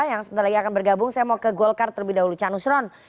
yang sebentar lagi akan bergabung saya mau ke golkar terlebih dahulu ca nusron